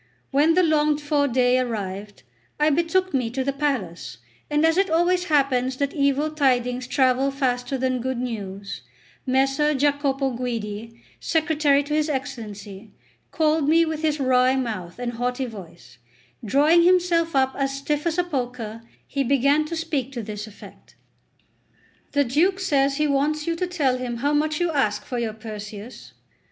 When the longed for day arrived, I betook me to the palace; and as it always happens that evil tidings travel faster than good news, Messer Giacopo Guidi, secretary to his Excellency, called me with his wry mouth and haughty voice; drawing himself up as stiff as a poker, he began to speak to this effect: "The Duke says he wants you to tell him how much you ask for your Perseus."